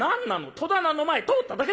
戸棚の前通っただけでしょ」。